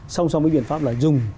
xong xong cái biện pháp là dùng